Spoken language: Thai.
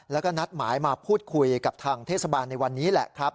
แล้วก็นัดหมายมาพูดคุยกับทางเทศบาลในวันนี้แหละครับ